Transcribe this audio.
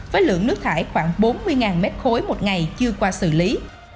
với lượng nước thải khoảng bốn mươi m ba một ngày chưa qua xử lý